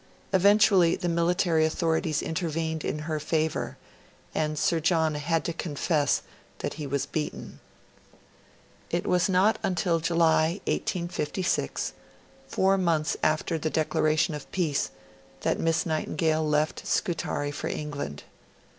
Eventually, the military authorities intervened in her favour, and Sir John had to confess that he was beaten. It was not until July, 1856 four months after the Declaration of Peace that Miss Nightingale left Scutari for England.